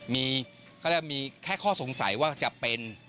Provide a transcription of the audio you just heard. มีแค่ข้อสงสัยว่าจะเป็น